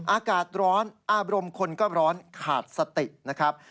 อากาศร้อนอารมณ์คนก็ร้อนขาดสตินะครับ